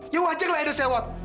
ya wajar lah edo sewot